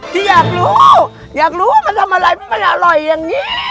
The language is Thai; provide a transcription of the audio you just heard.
ที่อยากรู้อยากรู้ว่ามันทำอะไรเพราะมันอร่อยอย่างนี้